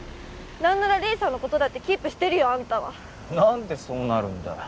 何なら黎さんのことだってキープしてるよあんたは何でそうなるんだよ